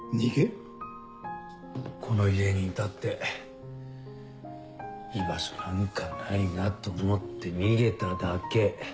この家にいたって居場所なんかないなと思って逃げただけ。